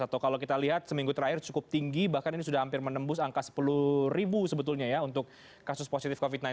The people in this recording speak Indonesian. atau kalau kita lihat seminggu terakhir cukup tinggi bahkan ini sudah hampir menembus angka sepuluh ribu sebetulnya ya untuk kasus positif covid sembilan belas